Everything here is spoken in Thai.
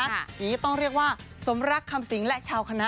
อย่างนี้ต้องเรียกว่าสมรักคำสิงและชาวคณะ